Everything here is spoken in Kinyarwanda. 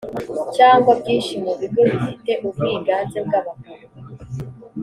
cyangwa byinshi mu bigo bifite ubwiganze bw’abagabo